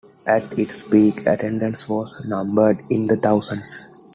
At its peak, attendance was numbered in the thousands.